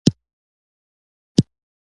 خټکی له ملګري سره نیم شي.